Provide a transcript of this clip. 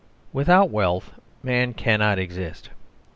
Without Wealth man cannot exist.